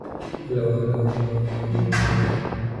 He and his dogs begin to form a bond of friendship.